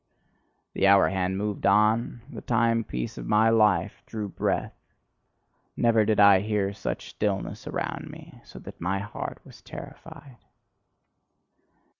The hour hand moved on, the timepiece of my life drew breath never did I hear such stillness around me, so that my heart was terrified.